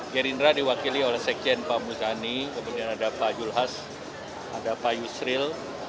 gerindra diwakili oleh sekjen pak muzani kemudian ada pak julhas ada pak yusril